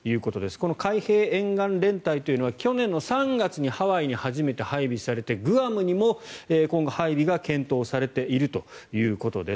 この海兵沿岸連隊というのは去年の３月にハワイに初めて配備されてグアムにも今後、配備が検討されているということです。